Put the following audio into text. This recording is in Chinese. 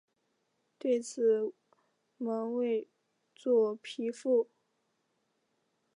对此毛未作批复。